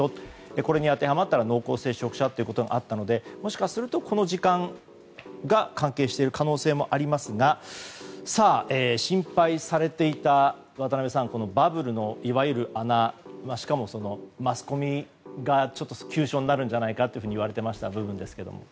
これに当てはまったら濃厚接触者ということがあったのでもしかすると、この時間が関係している可能性もありますが心配されていた渡辺さん、バブルのいわゆる穴、しかもマスコミが急所になるんじゃないかといわれていた部分ですが。